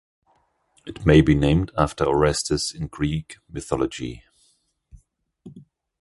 It may be named after Orestes in Greek mythology.